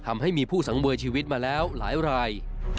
ทำให้มีผู้สังเวยชีวิตมาแล้วหลายราย